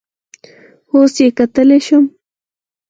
اوس یې کتلی شم؟